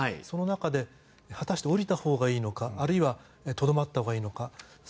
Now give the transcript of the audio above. その中で果たして降りたほうがいいのかあるいはとどまったほうがいいのか。